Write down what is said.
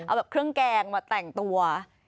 เอาแบบเครื่องแกงมาแต่งตัว